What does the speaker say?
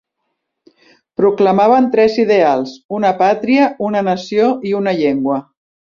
Proclamaven tres ideals, una pàtria, una nació i una llengua.